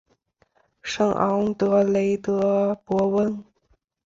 圣昂德雷德博翁。